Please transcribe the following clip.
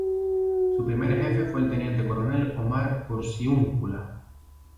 Su primer jefe fue el teniente coronel Omar Porciúncula.